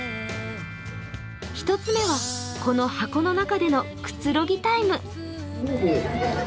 １つ目はこの箱の中でのくつろぎタイム。